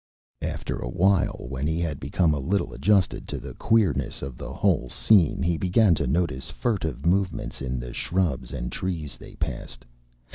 After a while, when he had become a little adjusted to the queerness of the whole scene, he began to notice furtive movements in the shrubs and trees they passed.